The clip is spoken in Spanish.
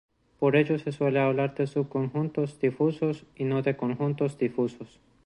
Por ello se suele hablar de subconjuntos difusos y no de conjuntos difusos.